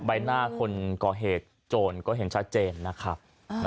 ใบหน้าคนก่อเหตุโจรก็เห็นชัดเจนนะครับ